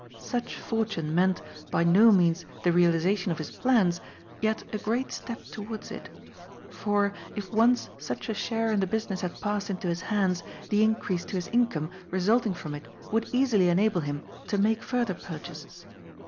Such fortune meant, by no means the realization of his plans, yet a great step towards it For, if once such a share in the business had passed into his hands, the increase to his income result ing from it would easily enable him to make further pur chases.